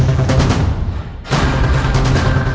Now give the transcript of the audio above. jangan lupa ya mbak